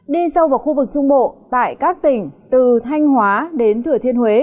đi sâu vào khu vực trung bộ tại các tỉnh từ thanh hóa đến thừa thiên huế